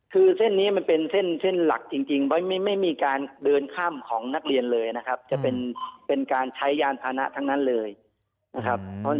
คือเส้นนี้มันเป็นเส้นหลักจริงไม่มีการเดินข้ามของนักเรียนเลยนะครับจะเป็นการใช้ยานพานะทั้งนั้นเลยนะครับ